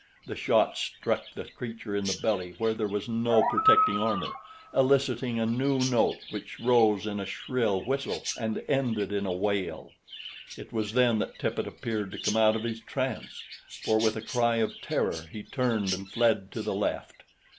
The shot struck the creature in the belly where there was no protecting armor, eliciting a new note which rose in a shrill whistle and ended in a wail. It was then that Tippet appeared to come out of his trance, for with a cry of terror he turned and fled to the left.